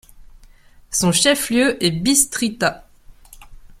Son chef-lieu est Bistrița.